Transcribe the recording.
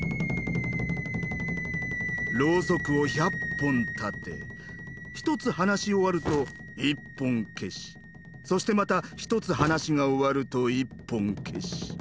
ろうそくを１００本立て１つ話し終わると１本消しそしてまた１つ話が終わると１本消し。